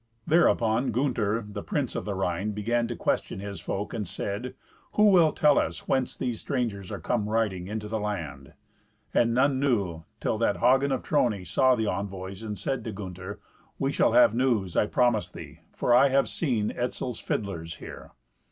Thereupon Gunther, the prince of the Rhine, began to question his folk, and said, "Who will tell us whence these strangers are come riding into the land?" And none knew, till that Hagen of Trony saw the envoys, and said to Gunther, "We shall have news, I promise thee, for I have seen Etzel's fiddlers here.